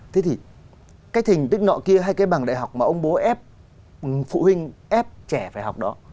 thế thì cái thành tích nọ kia hay cái bằng đại học mà ông bố ép phụ huynh ép trẻ phải học đó